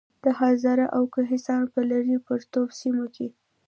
د هزارې او کوهستان پۀ لرې پرتو سيمو کې